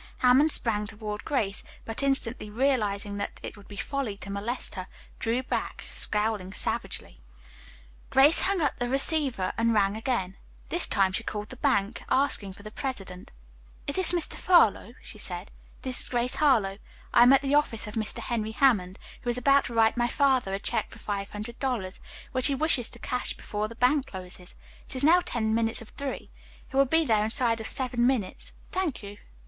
Hammond sprang toward Grace, but instantly realizing that it would be folly to molest her, drew back, scowling savagely. Grace hung up the receiver and rang again. This time she called the bank, asking for the president. "Is this Mr. Furlow?" she said. "This is Grace Harlowe. I am at the office of Mr. Henry Hammond, who is about to write my father a check for five hundred dollars, which he wishes to cash before the bank closes. It is now ten minutes of three. He will be there inside of seven minutes. Thank you.